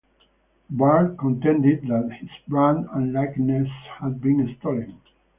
Barr contended that his brand and likeness had been stolen.